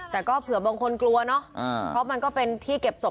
แต่ก็เผื่อบางคนกลัวเนอะเพราะมันก็เป็นที่เก็บศพ